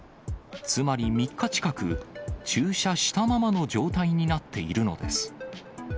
つまり３日近く、駐車したままの状態になっているのです。